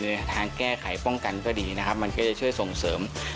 ในไม่ค้นกันต้องแปลงก็ดีในทางแก้ไขป้องกันก็ดีนะครับมันก็จะช่วยส่งเสริม